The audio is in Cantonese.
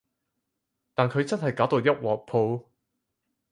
但佢真係搞到一鑊泡